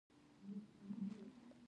بوتل د ماشومو د تغذیې یوه اساسي وسیله ده.